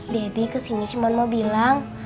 debbie kesini cuma mau bilang